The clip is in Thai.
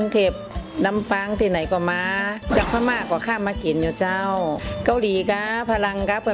ของเจ้องค์ของกรุงเท็บ